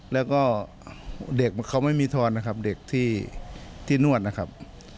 แล้วก็เด็กเขาไม่มีทอนนะครับเด็กที่นวดนะครับ